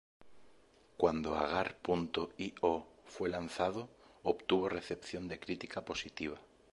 Cuando Agar.io fue lanzado obtuvo recepción de crítica positiva.